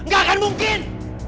gak akan mungkin